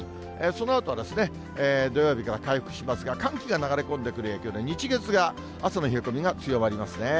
そのあとは土曜日から回復しますが、寒気が流れ込んでくる影響で、日月が朝の冷え込みが強まりますね。